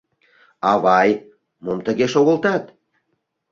— Авай, мом тыге шогылтат?